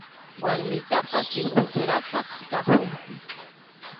Warmiytaqa sepulturasaq cajonpi.